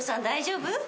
大丈夫？